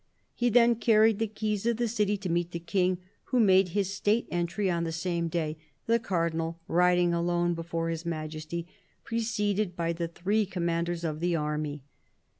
He then carried the keys of the city to meet the King, who made his state entry on the same day, the Cardinal riding alone before His Majesty, preceded by the three commanders of the army.